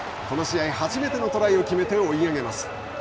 この試合、初めてのトライを決めて追い上げます。